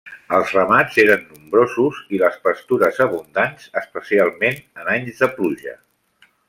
Els ramats eren nombrosos i les pastures abundants especialment en anys de pluja.